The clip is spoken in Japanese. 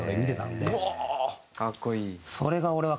かっこいい。